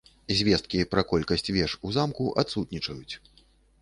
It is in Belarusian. Звесткі пра колькасць веж у замку адсутнічаюць.